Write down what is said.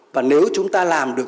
và nếu chúng ta làm được